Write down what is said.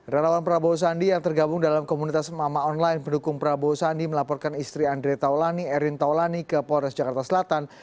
relawan prabowo sandi yang tergabung dalam komunitas mama online pendukung prabowo sandi melaporkan istri andre taulani erin taulani ke polres jakarta selatan